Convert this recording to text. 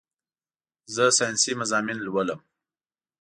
زه سائنسي مضامين لولم